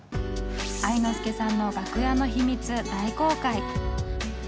愛之助さんの楽屋の秘密大公開。